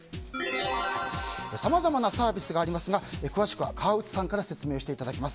さまざまなサービスがありますが詳しくは川内さんから説明していただきます。